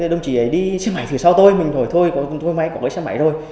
đồng chí ấy đi xe máy thử sau tôi mình hỏi thôi tôi có máy có cái xe máy rồi